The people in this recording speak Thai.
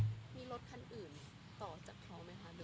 มีรถคันอื่นต่อจากเขาไหมคะ